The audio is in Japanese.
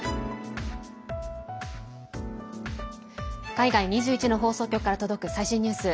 海外２１の放送局から届く最新ニュース。